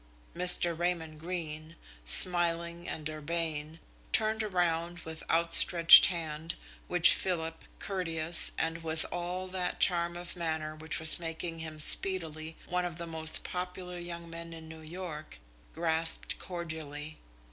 Mr. Raymond Greene, smiling and urbane, turned around with outstretched hand, which Philip, courteous, and with all that charm of manner which was making him speedily one of the most popular young men in New York, grasped cordially.